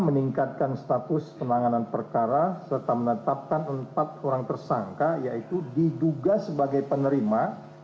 meningkatkan status penanganan perkara serta menetapkan empat orang tersangka yaitu diduga sebagai penerima